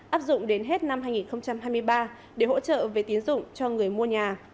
áp dụng đến hết năm hai nghìn hai mươi ba để hỗ trợ về tín dụng cho người mua nhà